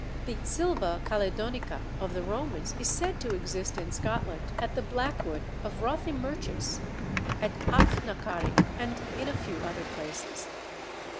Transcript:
The Silva Caledonica of the Romans is said to exist in Scotland at the Blackwood of Rothiemurchus, at Achnacarry, and in a few other places.